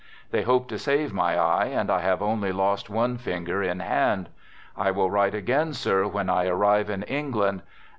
They hope to save my eye, and I have only lost one finger in hand. I will write, again, sir, when I arrive in England.